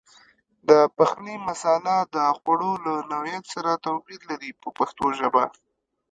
د پخلي مساله د خوړو له نوعیت سره توپیر لري په پښتو ژبه.